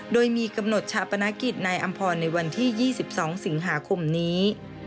โดยมีกำหนดชาปนกิจนายอำพรในวันที่๒๒สิงหาคมนี้